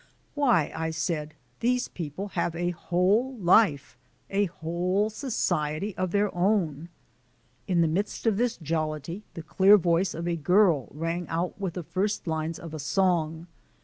"Why," I said, "these people have a whole life, a whole society, of their own!" In the midst of this jollity the clear voice of a girl rang out with the first lines of a song.